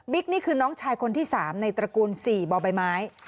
นี่คือน้องชายคนที่๓ในตระกูล๔บ่อใบไม้